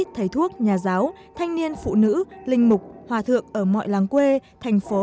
thầy thuốc nhà giáo thanh niên phụ nữ linh mục hòa thượng ở mọi làng quê thành phố